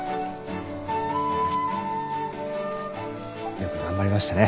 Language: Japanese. よく頑張りましたね。